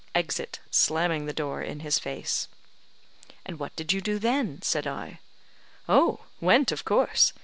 (Exit, slamming the door in his face.) "And what did you do then ?" said I. "Oh, went of course.